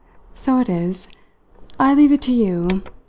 "So it is. I leave it to you.